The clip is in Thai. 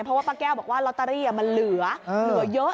เพราะว่าป้าแก้วบอกว่าลอตเตอรี่มันเหลือเยอะ